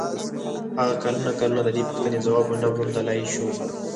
هغه کلونه کلونه د دې پوښتنې ځواب و نه موندلای شو.